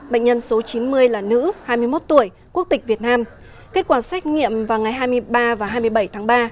bệnh nhân số chín mươi là nữ hai mươi một tuổi quốc tịch việt nam kết quả xét nghiệm vào ngày hai mươi ba và hai mươi bảy tháng ba